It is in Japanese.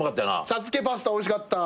茶漬けパスタおいしかった。